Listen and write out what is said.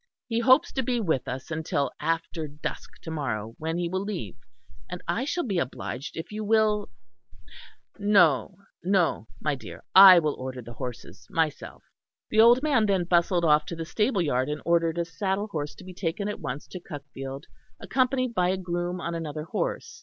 He hopes to be with us until after dusk to morrow when he will leave; and I shall be obliged if you will No, no, my dear. I will order the horses myself." The old man then bustled off to the stableyard and ordered a saddle horse to be taken at once to Cuckfield, accompanied by a groom on another horse.